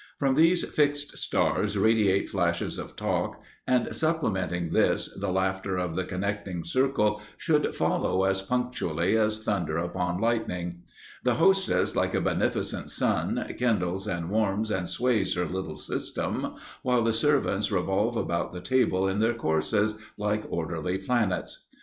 From these fixed stars radiate flashes of talk, and supplementing this, the laughter of the connecting circle should follow as punctually as thunder upon lightning. The hostess, like a beneficent sun, kindles and warms and sways her little system, while the servants revolve about the table in their courses, like orderly planets.